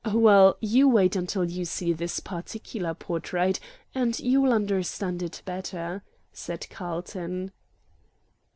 "Well, you wait until you see this particular portrait, and you will understand it better," said Carlton.